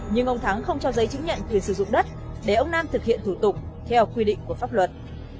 nhưng ông thắng không cho giấy chứng nhận quyền sử dụng đất để ông nam thực hiện thủ tục theo quy định của pháp luật